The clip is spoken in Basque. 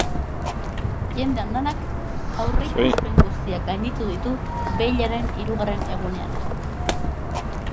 Jende andanak aurreikuspen guztiak gainditu ditu beilaren hirugarren egunean.